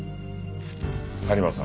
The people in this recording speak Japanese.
有馬さん